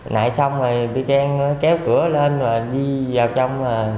nãy xong thì bị khen kéo cửa lên và đi vào trong